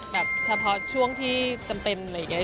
เฉพาะช่วงที่จำเป็นอะไรอย่างนี้